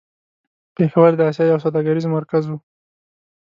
پېښور د آسيا يو سوداګريز مرکز و.